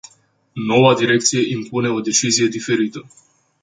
Noua direcție impune o decizie diferită.